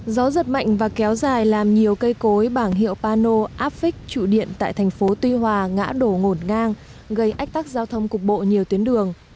gió giật mạnh và kéo dài làm nhiều cây cối bảng hiệu pano apfic chủ điện tại thành phố tuy hòa ngã đổ ngột ngang gây ách tắc giao thông cục bộ nhiều tuyến đường